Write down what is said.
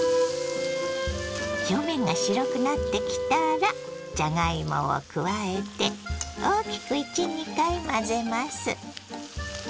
表面が白くなってきたらじゃがいもを加えて大きく１２回混ぜます。